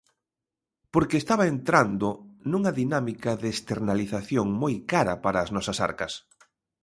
Porque estaba entrando nunha dinámica de externalización moi cara para as nosas arcas.